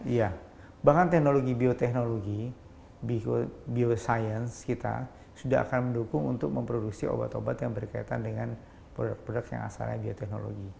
iya bahkan teknologi bioteknologi biosains kita sudah akan mendukung untuk memproduksi obat obat yang berkaitan dengan produk produk yang asalnya bioteknologi